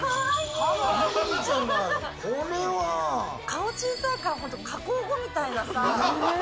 顔小さいから加工後みたいなさ。